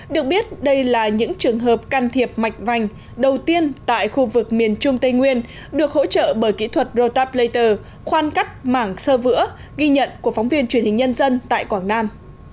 được biết đây là những trường hợp can thiệp mạch vành đầu tiên tại khu vực miền trung tây nguyên được hỗ trợ bởi kỹ thuật rotap later khoan cắt mảng sơ vữa ghi nhận của phóng viên truyền hình nhân dân tại quảng nam